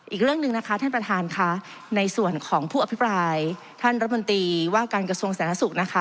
อีกเรื่องหนึ่งนะคะท่านประธานค่ะในส่วนของผู้อภิปรายท่านรัฐมนตรีว่าการกระทรวงสาธารณสุขนะคะ